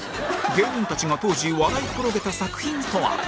芸人たちが当時笑い転げた作品とは？